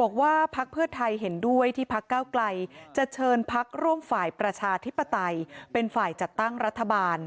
บอกว่าพักเพื่อไทยเห็นด้วยที่พักเก้าไกลจะเชิญพักร่วมฝ่ายประชาธิปไตยเป็นฝ่ายจัดตั้งรัฐบาล